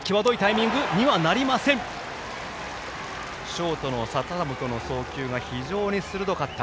ショートの笹本の送球が非常に鋭かった。